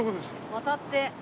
渡って。